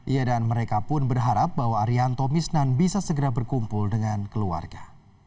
ia dan mereka pun berharap bahwa arianto misnan bisa segera berkumpul dengan keluarga